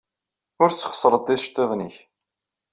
Ur tesxeṣreḍ iceḍḍiḍen-nnek.